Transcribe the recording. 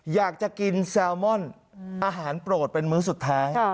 อยากจะกินแซลมอนอาหารโปรดเป็นมื้อสุดท้าย